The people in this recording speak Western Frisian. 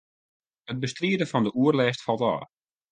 It bestriden fan de oerlêst falt ôf.